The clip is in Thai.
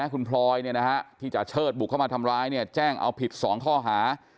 คุณพลอยที่จาเชิดบุกเข้ามาทำร้ายแจ้งเอาผิด๒ข้อหา